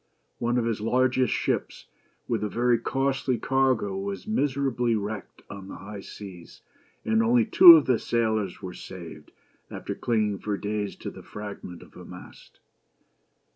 One of his largest ships, with a very costly cargo, was miserably wrecked on the high seas, and only two of the sailors were saved, after clinging for days to the fragment of a mast.